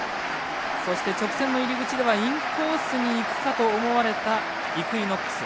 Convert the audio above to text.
そして、直線の入り口ではインコースにいくかと思われたイクイノックス。